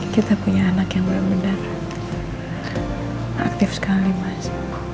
kita punya anak yang benar benar aktif sekali mas